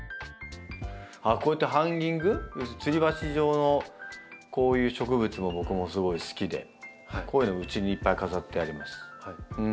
こうやってハンギング要するにつり鉢状のこういう植物も僕もすごい好きでこういうのうちにいっぱい飾ってあります。